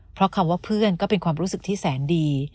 เพราะคำว่าเพื่อนก็เป็นความรู้สึกที่แสนดี